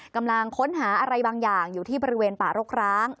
กำลังค้นหาอะไรบางอย่างอยู่ที่บริเวณป่ารกร้าง